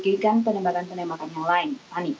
dan ini juga menyebabkan penembakan yang lain